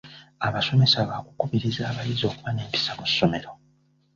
Abasomesa baakukubiriza abayizi okuba n'empisa mu ssomero.